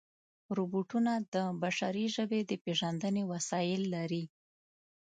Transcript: روبوټونه د بشري ژبې د پېژندنې وسایل لري.